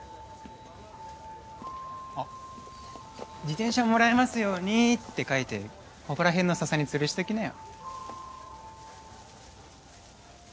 あっ「自転車もらえますように」って書いてここら辺のササにつるしときなよ。